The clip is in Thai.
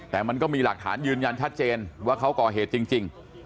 แต่มันก็มีหลักฐานยืนยันชัดเจนว่าเขาก่อเหตุจริง